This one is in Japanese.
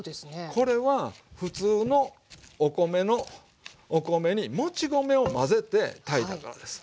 これは普通のお米にもち米を混ぜて炊いたからです。